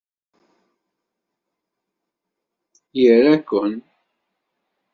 Ira-ken!